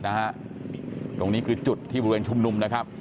ตรงนี้คือจุดที่บริเวณชุมนุมนะครับ